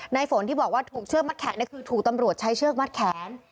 ฝนที่บอกว่าถูกเชือกมัดแขกคือถูกตำรวจใช้เชือกมัดแขน